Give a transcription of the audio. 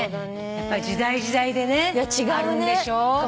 やっぱり時代時代でねあるんでしょう。